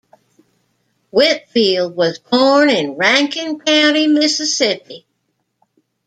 Whitfield was born in Rankin County, Mississippi.